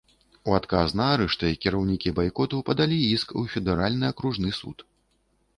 У адказ на арышты кіраўнікі байкоту падалі іск у федэральны акружны суд.